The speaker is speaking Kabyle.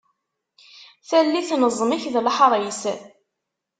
Tallit n ẓẓmik d leḥris.